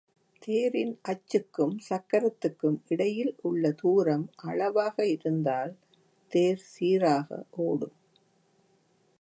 தேரின் அச்சுக்கும் சக்கரத்துக்கும் இடையில் உள்ள தூரம் அளவாக இருந்தால் தேர் சீராக ஒடும்.